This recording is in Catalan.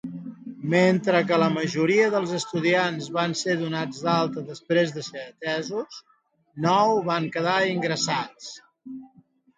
Mentre que la majoria dels estudiants van ser donats d'alta després de ser atesos, nou van quedar ingressats.